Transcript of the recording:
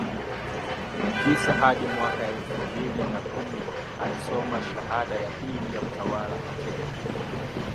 tisa hadi mwaka elfu mbili na kumi alisoma shahada ya pili ya utawala katika